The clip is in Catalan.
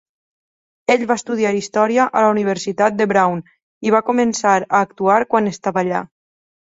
Ell va estudiar història a la Universitat de Brown, i va començar a actuar quan estava a allà.